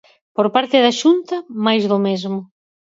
Por parte da Xunta, máis do mesmo.